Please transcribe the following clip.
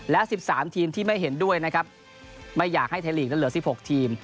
และ๑๓ทีมที่ไม่เห็นด้วยนะครับไม่อยากให้ไทยลีกนั้นเหลือ๑๖ทีม